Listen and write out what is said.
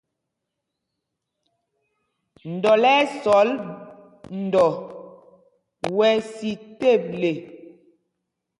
Ndɔl ɛ́ ɛ́ sɔl ndɔ wɛ́ sī teble.